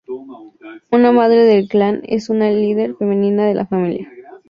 Una madre del clan es una líder femenina de la familia.